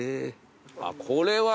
あっこれは。